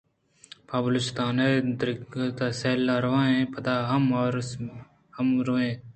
پہ بلوچستان ءَ گَردگ ءُ سَیل ءَ رو اِیں پَد ءَ آروس ءَ ھم رو اِیں